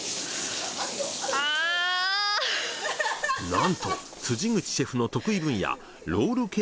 なんと辻口シェフの得意分野。